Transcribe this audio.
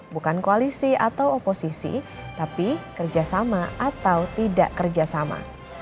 bukan koalisi atau oposisi tapi kerjasama atau tidak kerjasama